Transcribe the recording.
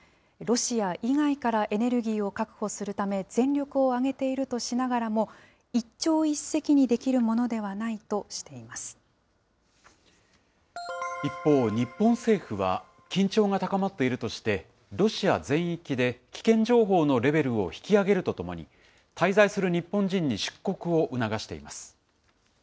ロシア以外からエネルギーを確保するため、全力を挙げているとしながらも、一朝一夕にできるものではないと一方、日本政府は、緊張が高まっているとして、ロシア全域で危険情報のレベルを引き上げるとともに、滞在する日本人に出国を促しています。